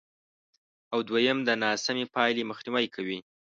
او دوېم د ناسمې پایلې مخنیوی کوي،